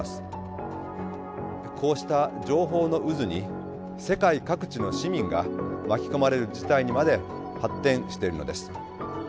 こうした情報の渦に世界各地の市民が巻き込まれる事態にまで発展しているのです。